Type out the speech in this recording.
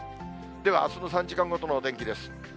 では、あすの３時間ごとのお天気です。